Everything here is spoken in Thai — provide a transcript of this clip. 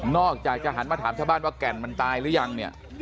นอกจะหันมาถามชะบ้านว่าแก่นมันตายหรือยัง